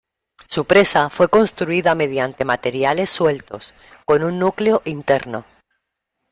Su presa fue construida mediante materiales sueltos, con un núcleo interno.